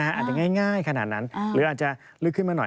อาจจะง่ายขนาดนั้นหรืออาจจะลึกขึ้นมาหน่อย